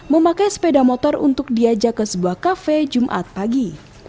memakai sepeda motor untuk diajak ke sebuah kafe jumat pagi